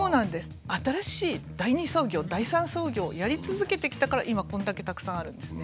新しい第二創業第三創業をやり続けてきたから今これだけたくさんあるんですね。